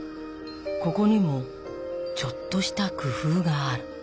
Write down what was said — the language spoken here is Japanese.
ここにもちょっとした工夫がある。